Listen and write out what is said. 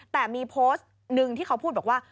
แต่มีโพสต์หนึ่งที่เขาพูดบอกว่า